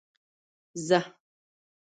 زه.